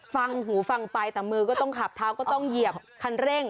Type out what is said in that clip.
ฟังหูฟังไปแต่มือก็ต้องขับเท้าก็ต้องเหยียบคันเร่ง